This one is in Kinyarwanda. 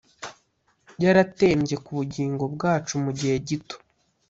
Yaratembye kubugingo bwacu mugihe gito